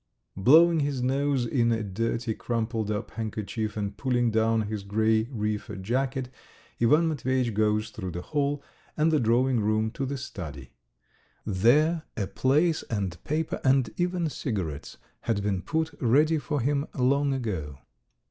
Blowing his nose in a dirty, crumpled up handkerchief and pulling down his grey reefer jacket, Ivan Matveyitch goes through the hall and the drawing room to the study. There a place and paper and even cigarettes had been put ready for him long ago.